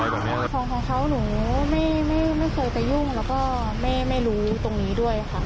ของของเขาหนูไม่เคยไปยุ่งแล้วก็ไม่รู้ตรงนี้ด้วยค่ะ